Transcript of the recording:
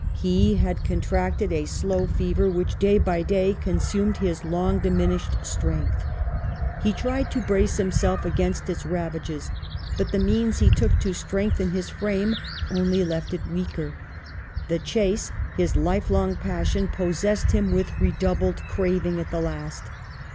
He had contracted a slow fever, which day by day consumed his long diminished strength. He tried to brace himself against its ravages, but the means he took to strengthen his frame only left it weaker. The chase, his life long passion, possessed him with redoubled craving at the last.